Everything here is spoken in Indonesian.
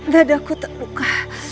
dadaku tak luka